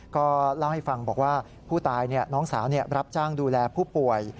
ก็เล่าให้ฟังบอกว่าผู้ตายน้องสาวรับจ้างดูแลผู้ป่วย